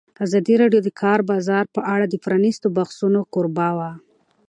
ازادي راډیو د د کار بازار په اړه د پرانیستو بحثونو کوربه وه.